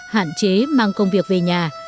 hạn chế mang công việc về nhà